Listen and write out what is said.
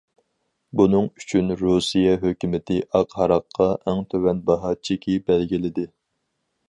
بۇنىڭ ئۈچۈن رۇسىيە ھۆكۈمىتى ئاق ھاراققا ئەڭ تۆۋەن باھا چېكى بەلگىلىدى.